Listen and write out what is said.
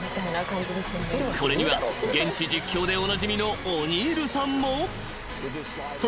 ［これには現地実況でおなじみのオニールさんも］